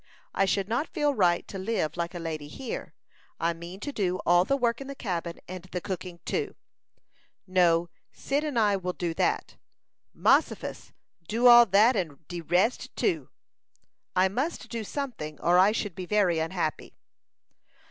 I should not feel right to live like a lady here. I mean to do all the work in the cabin, and the cooking too." "No, Cyd and I will do that." "Mossifus! Do all dat, and all de rest too." "I must do something, or I should be very unhappy."